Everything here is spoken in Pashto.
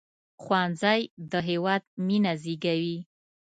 ښوونځی د هیواد مينه زیږوي